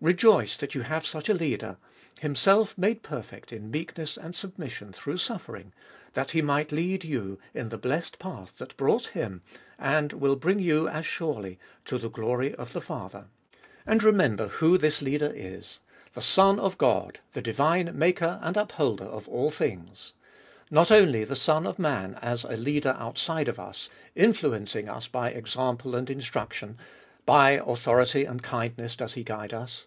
Rejoice that you have such a Leader, Himself made perfect in meekness and submission through suffering, that He might lead you in the blessed path that brought Him, and will bring you as surely, to the glory of the Father. And remember who this Leader is — the Son of God, the divine Maker and Upholder of all things. Not only the Son of Man as a Leader outside of us, influencing us by example and instruction, by authority and kindness does He guide us.